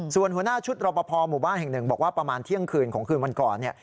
ส่วนหัวหน้าชุดรปภหมู่บ้านแห่งหนึ่งบอกว่าประมาณเที่ยงคืนของคืนวันก่อน